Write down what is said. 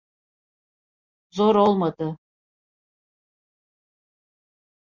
Zor olmadı.